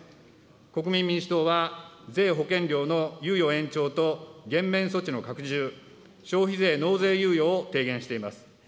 国民民主党は、税・保険料の猶予延長と減免措置の拡充、消費税納税猶予を提言しています。